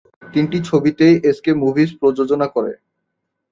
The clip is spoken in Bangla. তিনটি ছবিতেই এসকে মুভিজ প্রযোজনা করে।